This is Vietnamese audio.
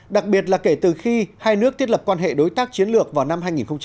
đặc biệt là kể từ khi hai nước thiết lập quan hệ đối tác chiến lược vào năm hai nghìn một mươi